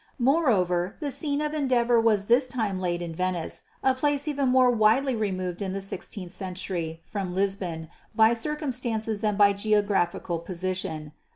Moreover the scene of endeavour was this time laid in Venice, a place even more widely removed in the sixteenth century from Lisbon by circumstances than by geographical position.